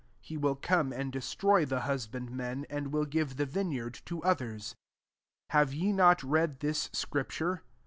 he will come and destroy the husband men, and will give the vineyard to othera. 10 " Have ye not read this scripture